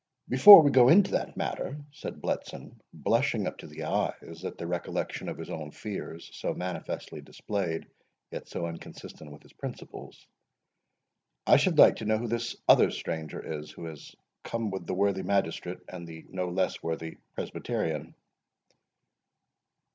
"Before we go into that matter," said Bletson, blushing up to the eyes at the recollection of his own fears, so manifestly displayed, yet so inconsistent with his principles, "I should like to know who this other stranger is, who has come with the worthy magistrate, and the no less worthy Presbyterian?"